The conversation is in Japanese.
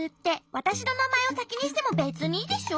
わたしのなまえをさきにしてもべつにいいでしょ？